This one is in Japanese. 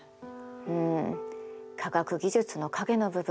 うん科学技術の影の部分。